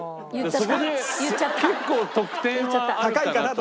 そこで結構得点はあるかなと。